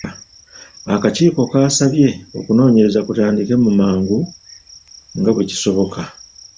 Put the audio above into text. Akakiiko kaasabye okunoonyereza kutandike mu mangu nga bwe kisoboka.